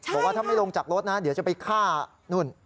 บอกว่าถ้าไม่ลงจากรถนะเดี๋ยวจะไปฆ่านู่น